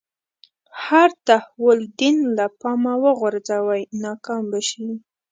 هر تحول دین له پامه وغورځوي ناکام به شي.